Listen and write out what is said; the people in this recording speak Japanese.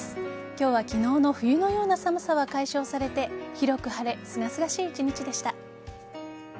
今日は昨日の冬のような寒さは解消されて、広く晴れすがすがしい一日でした。